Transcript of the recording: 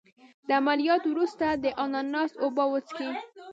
د عملیات وروسته د اناناس اوبه وڅښئ